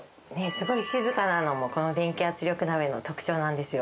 すごい静かなのもこの電気圧力鍋の特長なんですよ。